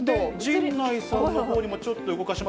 陣内さんのほうにもちょっと動かします。